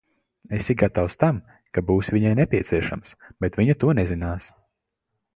Esi gatavs tam, ka būsi viņai nepieciešams, bet viņa to nezinās.